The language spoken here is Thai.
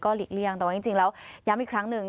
ก็หลีกเลี่ยงแต่ว่าจริงแล้ว